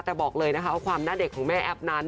แต่บอกเลยนะคะว่าความหน้าเด็กของแม่แอ๊บนั้น